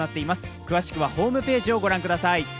詳しくホームページをご覧ください。